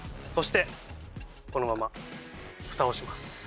そしてこのまま蓋をします。